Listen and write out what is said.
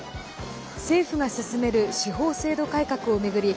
政府が進める司法制度改革を巡り